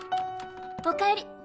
おかえり。